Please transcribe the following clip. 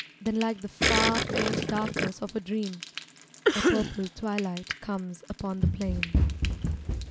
Then like the far, faint darkness of a dream, A purple twilight comes upon the plain.